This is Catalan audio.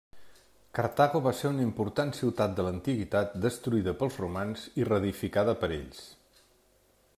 Cartago va ser una important ciutat de l'antiguitat destruïda pels romans i reedificada per ells.